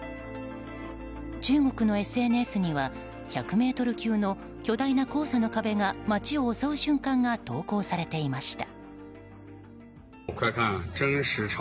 中国のＳＮＳには、１００ｍ級の巨大な黄砂の壁が街を襲う瞬間が投稿されていました。